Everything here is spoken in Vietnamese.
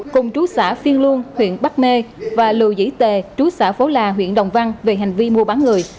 cùng chú xã phiên luôn huyện bắc mê và lưu dĩ tề trú xã phố là huyện đồng văn về hành vi mua bán người